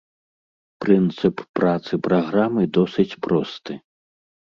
Прынцып працы праграмы досыць просты.